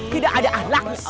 tidak ada ahlaknya